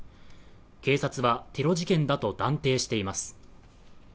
警察はテロ事件だと断定しています。